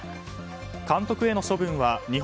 監督への処分は日本